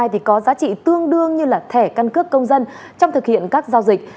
thì có giá trị tương đương như là thẻ căn cước công dân trong thực hiện các giao dịch